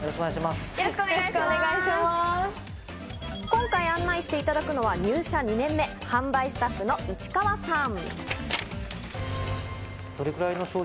今回案内していただくのは、入社２年目、販売スタッフの市川さん。